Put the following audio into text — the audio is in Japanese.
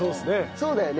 そうだよね。